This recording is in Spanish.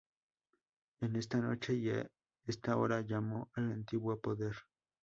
En esta noche y a esta hora, llamo al antiguo poder.